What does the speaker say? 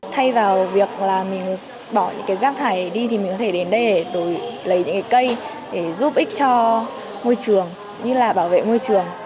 thay vào việc là mình bỏ những cái rác thải đi thì mình có thể đến đây để tôi lấy những cái cây để giúp ích cho môi trường như là bảo vệ môi trường